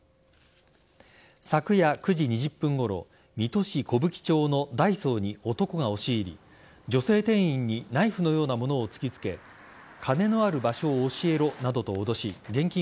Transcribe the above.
昨夜９時２０分ごろ水戸市小吹町のダイソーに男が押し入り、女性店員にナイフのようなものを突きつけ金のある場所を教えるなどと脅し現金